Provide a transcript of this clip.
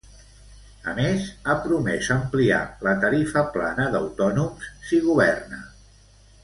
A més, ha promès ampliar la tarifa plana d'autònoms si governa.